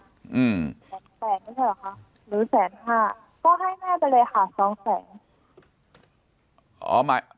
๑แสนไหมหรือ๑๕แสนก็ให้แม่ไปเลยค่ะ๒แสน